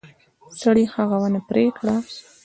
سړي هغه ونه پرې کړه.